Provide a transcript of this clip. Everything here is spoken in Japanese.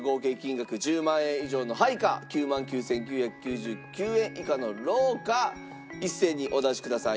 １０万円以上のハイか９万９９９９円以下のローか一斉にお出しください。